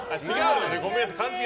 ごめんなさい。